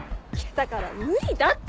だから無理だって。